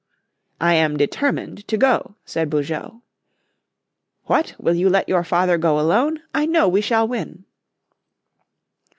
"I am determined to go," said Beaujeu. "What! Will you let your father go alone? I know we shall win."